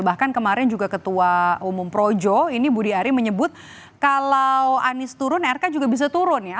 bahkan kemarin juga ketua umum projo ini budi ari menyebut kalau anies turun rk juga bisa turun ya